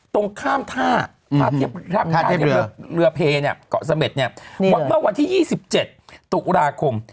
ตรงข้ามท่าเมื่อวันที่๒๗ปศศอุดาคม